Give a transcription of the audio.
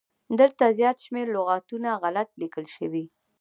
دلته زيات شمېر لغاتونه غلت ليکل شوي